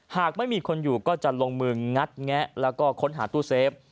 หากไม่มีคนอยู่ก็จะลงมืองัดแงะแล้วก็ค้นหาตู้เซฟ